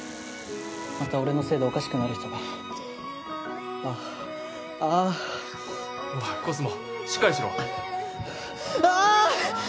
また俺のせいでおかしくなる人があぁあぁおいコスモしっかりしろあぁ！